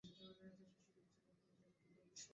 ডানহাতি fast medium bowler.